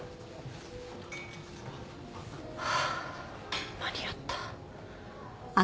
ハァ間に合った。